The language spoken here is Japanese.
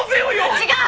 違う！